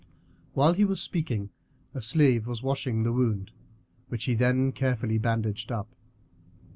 While he was speaking a slave was washing the wound, which he then carefully bandaged up.